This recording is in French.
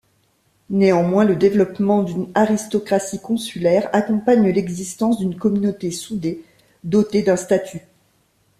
Néanmoins le développement d’une aristocratie consulaire accompagne l’existence d’une communauté soudée, dotée d’un statut.